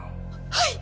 はい！